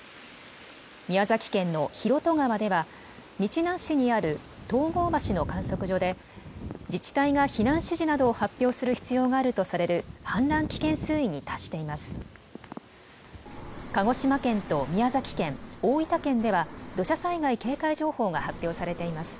宮崎県の広渡川では、日南市にある東郷町の観測所で、自治体が避難指示などを発表する必要があるとされる、氾濫危険水位に達しています。